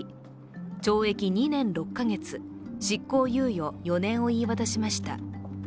懲役２年６か月、執行猶予４年を言い渡しました。